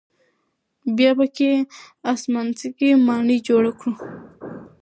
بیا پکې آسمانڅکې ماڼۍ جوړوي.